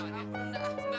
sebarang kan ajol ya